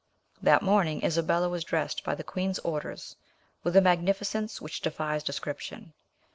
That morning Isabella was dressed by the queen's orders with a magnificence which defies description.